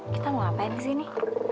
kita mau ngapain disini